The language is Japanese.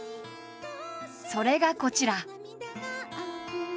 それがこちら。